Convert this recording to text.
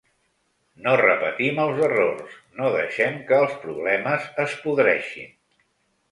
No repetim els errors, no deixem que els problemes es podreixin.